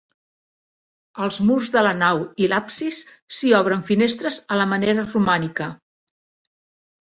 Als murs de la nau i l'absis s'hi obren finestres a la manera romànica.